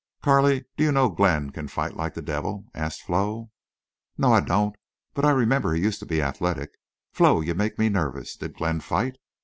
"Carley, do you know Glenn can fight like the devil?" asked Flo. "No, I don't. But I remember he used to be athletic. Flo, you make me nervous. Did Glenn fight?"